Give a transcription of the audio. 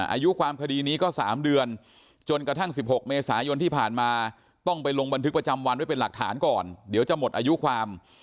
อายุความคดีนี้ก็๓เดือนจนกระทั่ง๑๖เมษายนที่ผ่านมาต้องไปลงบันทึกประจำวันไว้เป็นหลักฐานก่อนเดี๋ยวจะหมดอายุความ